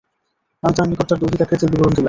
আমি তাঁর নিকট তার দৈহিক আকৃতির বিবরণ দিলাম।